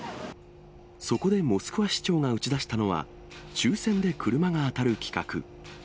そこでモスクワ市長が打ち出したのは、抽せんで車が当たる企画。